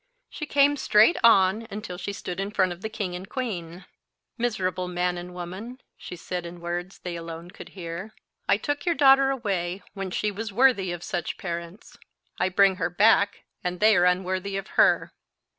She came straight on until she stood in front of the king and queen. "Miserable man and woman!" she said, in words they alone could hear, "I took your daughter away when she was worthy of such parents; I bring her back, and they are unworthy of her.